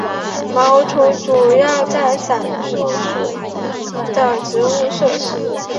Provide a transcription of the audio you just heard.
毛虫主要在伞树属的植物摄食。